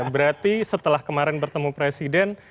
berarti setelah kemarin bertemu presiden